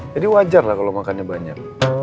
jadi wajar lah kalau makannya banyak